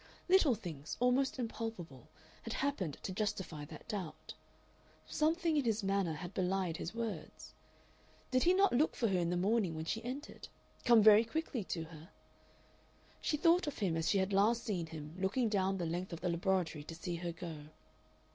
Little things, almost impalpable, had happened to justify that doubt; something in his manner had belied his words. Did he not look for her in the morning when she entered come very quickly to her? She thought of him as she had last seen him looking down the length of the laboratory to see her go.